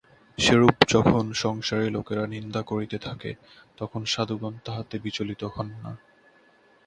সেরূপ যখন সংসারী লোকেরা নিন্দা করিতে থাকে, তখন সাধুগণ তাহাতে বিচলিত হন না।